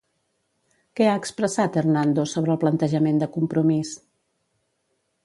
Què ha expressat Hernando sobre el plantejament de Compromís?